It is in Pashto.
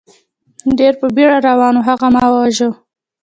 ډېر په بېړه روان و، هغه ما و واژه.